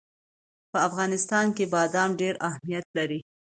په افغانستان کې بادام ډېر اهمیت لري.